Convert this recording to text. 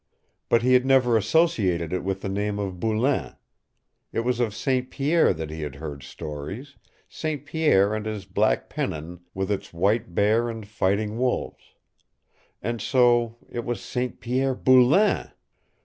But he had never associated it with the name of Boulain. It was of St. Pierre that he had heard stories, St. Pierre and his black pennon with its white bear and fighting wolves. And so it was St. Pierre BOULAIN!